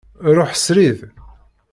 Ruḥ srid.